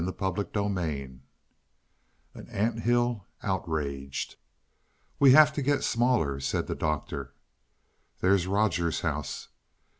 CHAPTER XXXII AN ANT HILL OUTRAGED "We'll have to get smaller," said the Doctor. "There's Rogers' house."